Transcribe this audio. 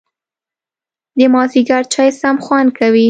د مازیګر چای سم خوند کوي